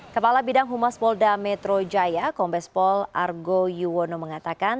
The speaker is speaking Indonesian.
kepala bidang humas polda metro jaya kombespol argo yuwono mengatakan